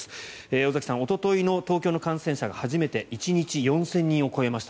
尾崎さん、おとといの東京の感染が初めて４０００人を超えました。